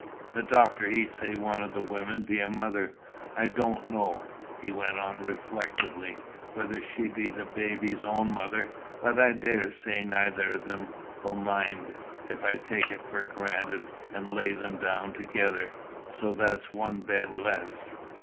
The doctor he say one o' the women be a mother. I don't know," he went on reflectively, "whether she be the baby's own mother, but I daresay neither o' them 'll mind it if I take it for granted, and lay 'em down together. So that's one bed less."